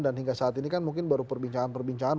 dan hingga saat ini kan mungkin baru perbincangan perbincangan